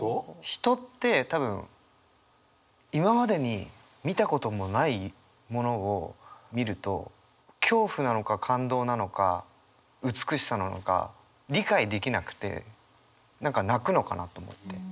人って多分今までに見たこともないものを見ると恐怖なのか感動なのか美しさなのか理解できなくて何か泣くのかなと思って。